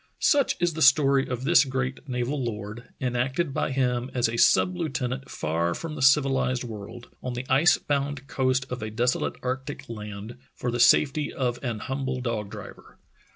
Such is the story of this great naval lord, enacted by him as a sub lieutenant far from the civilized world, on the ice bound coast of a desolate arctic land, for the safety of an humble dog driver.